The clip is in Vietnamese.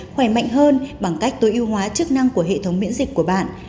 khỏe mạnh hơn bằng cách tối ưu hóa chức năng của hệ thống miễn dịch của bạn